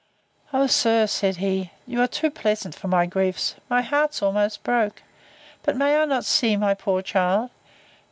O, sir! said, he, you are too pleasant for my griefs. My heart's almost broke. But may I not see my poor child?